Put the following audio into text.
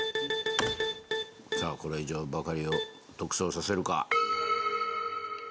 さあこれ以上バカリを独走させるか。